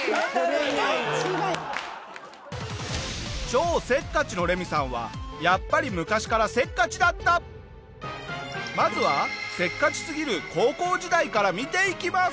超せっかちのレミさんはやっぱりまずはせっかちすぎる高校時代から見ていきます。